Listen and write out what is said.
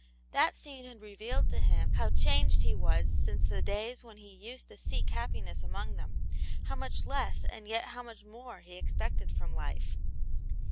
That scene had revealed to him how changed he was since the days when he used to seek happiness among them ; how much less and yet how much more he expected from life.